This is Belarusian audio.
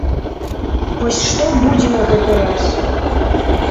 Вось што будзе на гэты раз.